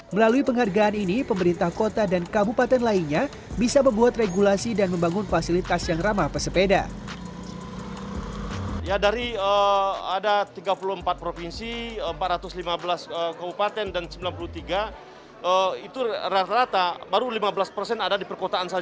melalui penghargaan ini pemerintah kota dan kota sepeda akan mencapai kategori kota besar dan kategori kota kecil